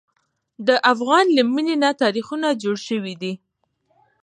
د افغان له مینې نه تاریخونه جوړ شوي دي.